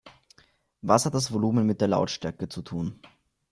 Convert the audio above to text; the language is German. Was hat das Volumen mit der Lautstärke zu tun?